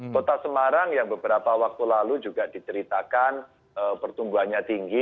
kota semarang yang beberapa waktu lalu juga diceritakan pertumbuhannya tinggi